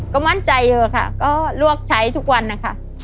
ก็มั่นใจเถอะค่ะก็ลวกใช้ทุกวันนะคะ